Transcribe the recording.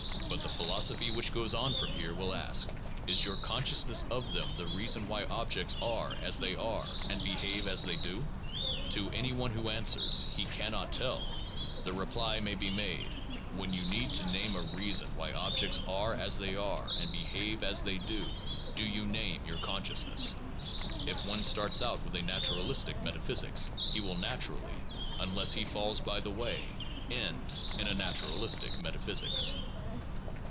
But the philosophy which goes on from here will ask, "Is your conscious ness of them the reason why objects are as they are and behave as they do?" To any one who answers, he cannot tell, the reply may be made, "When you need to name a reason why objects are as they are and behave as they do, do you name your consciousness? " If one starts out with a naturalistic meta physics, he will naturally, unless he falls by the way, end in a naturalistic metaphysics.